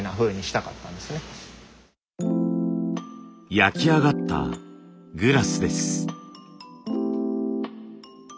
焼き上がったグラスです。